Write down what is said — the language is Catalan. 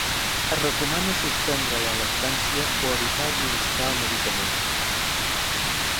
Es recomana suspendre la lactància o evitar administrar el medicament.